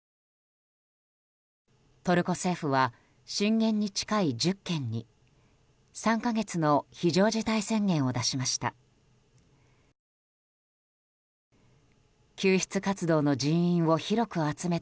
トルコ政府は震源に近い１０県に３か月の非常事態宣言を出しました。